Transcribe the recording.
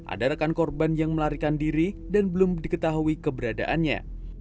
ada rekan korban yang melarikan diri dan belum diketahui keberadaannya